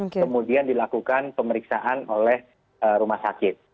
kemudian dilakukan pemeriksaan oleh rumah sakit